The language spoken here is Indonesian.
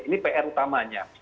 ini pr utamanya